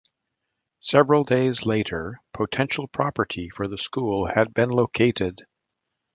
Several days later, potential property for the school had been located.